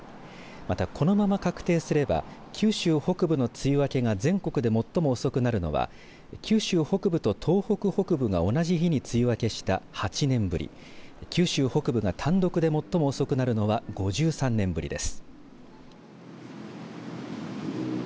また、このまま確定すれば九州北部の梅雨明けが全国で最も遅くなるのは九州北部と東北北部が同じ日に梅雨明けした８年ぶり九州北部が単独で最も遅くなるのは５３年ぶりです。